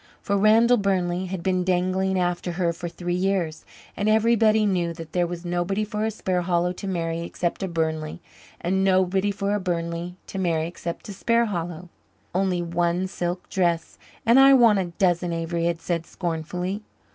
For Randall Burnley had been dangling after her for three years, and everybody knew that there was nobody for a Sparhallow to marry except a Burnley and nobody for a Burnley to marry except a Sparhallow. "Only one silk dress and I want a dozen," Avery had said scornfully.